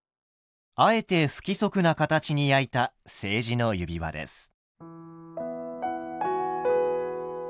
あえて不規則な形に焼いた青磁の指輪です。